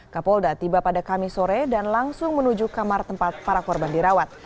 kapolda tiba pada kamis sore dan langsung menuju kamar tempat para korban dirawat